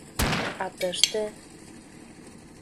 А тыште...